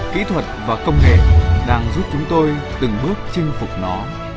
kỹ thuật và công nghệ đang giúp chúng tôi từng bước chinh phục nó